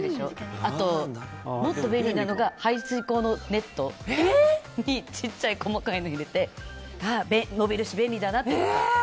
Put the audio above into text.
あと、もっと便利なのが排水口のネットにちっちゃい細かいのを入れて伸びるし便利だなって。